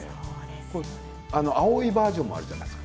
青いバージョンもあるじゃないですか。